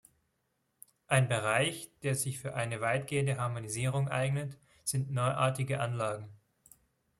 Ein Bereich, der sich für eine weitgehende Harmonisierung eignet, sind neuartige Anlagen.